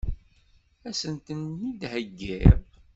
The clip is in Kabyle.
Ad sen-ten-id-theggiḍ?